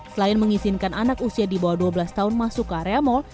selain mengizinkan anak usia di bawah dua belas tahun masuk ke area mal